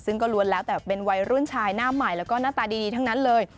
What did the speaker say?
ซึ่งก็ล้วนแล้วแต่เป็นวัยรุ่นชายหน้าใหม่แล้วก็หน้าตาดีทั้งนั้นเลย